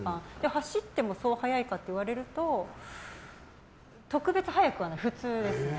走っても速いかっていわれると特別速くはない、普通ですね。